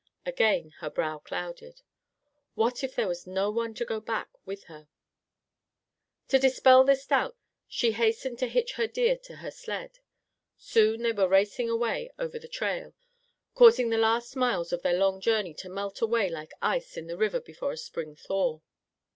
Again her brow clouded. What if there was no one to go back with her? To dispel this doubt, she hastened to hitch her deer to her sled. Soon they were racing away over the trail, causing the last miles of their long journey to melt away like ice in the river before a spring thaw.